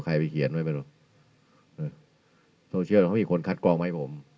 ไปเขียนไว้ไม่รู้โซเชียลเขามีคนคัดกรองมาให้ผม